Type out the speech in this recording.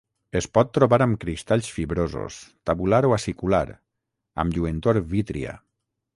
Es pot trobar amb cristalls fibrosos, tabular o acicular, amb lluentor vítria.